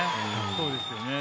そうですよね。